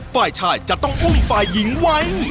ฝ่ายชายจะต้องอุ้มฝ่ายหญิงไว้